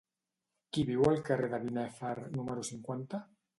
Qui viu al carrer de Binèfar número cinquanta?